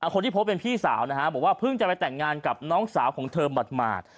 คนที่พบเป็นพี่สาวนะฮะบอกว่าเพิ่งจะไปแต่งงานกับน้องสาวของเธอหมาด